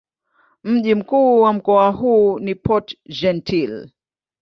Mji mkuu wa mkoa huu ni Port-Gentil.